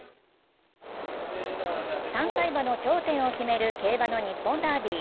３歳馬の頂点を決める競馬の日本ダービー。